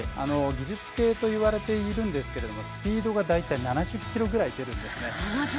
技術系といわれているんですけどスピードが大体７０キロぐらい出るんですね。